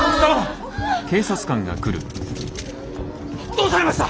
どうされました！